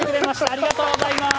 ありがとうございます。